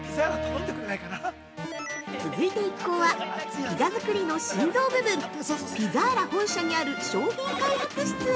続いて一行はピザ作りの心臓部分ピザーラ本社にある商品開発室へ。